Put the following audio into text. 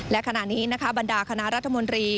และขณะนี้นะคะบรรดาคณะรัฐมนตรี